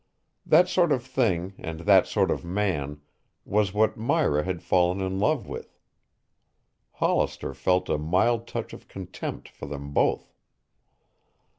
That sort of thing and that sort of man was what Myra had fallen in love with. Hollister felt a mild touch of contempt for them both.